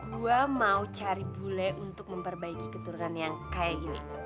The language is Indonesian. gue mau cari bule untuk memperbaiki keturunan yang kayak ini